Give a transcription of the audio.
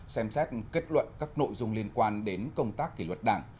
xem xét kết luận các nội dung liên quan đến công tác kỷ luật đảng